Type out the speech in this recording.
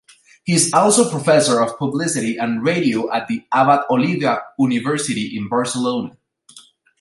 He is also professor of Publicity and Radio at the Abat Oliba University in Barcelona.